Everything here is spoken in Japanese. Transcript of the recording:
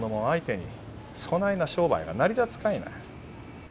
相手にそないな商売が成り立つかいな。